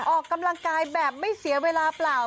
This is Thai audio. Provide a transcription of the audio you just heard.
ออกกำลังกายแบบไม่เสียเวลาเปล่า